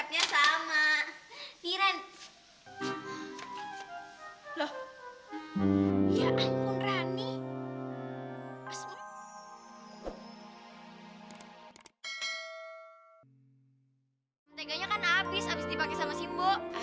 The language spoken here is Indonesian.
iya dong kan resepnya sama